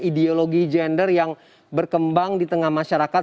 ideologi gender yang berkembang di tengah masyarakat